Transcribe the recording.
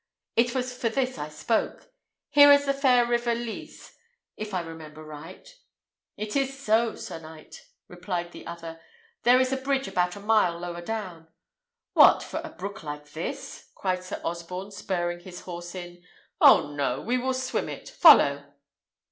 It was for this I spoke. Here is the fair river Lys, if I remember right." "It is so, sir knight," replied the other; "there is a bridge about a mile lower down." "What! for a brook like this?" cried Sir Osborne, spurring his horse in. "Oh, no; we will swim it. Follow!"